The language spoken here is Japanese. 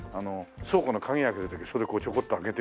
倉庫の鍵開ける時それをちょこっと開けて。